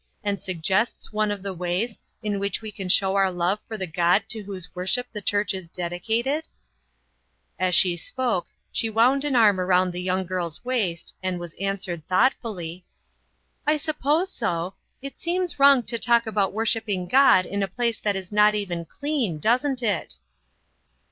And suggests one of the ways in which we can show our love for the God to whose worship the church is dedicated ?" As she spoke she wound an arm around the young girl's waist, and was answered, thoughtfully :" I suppose so. It seems wrong to talk about worshipping God in a place that is not even clean, doesn't it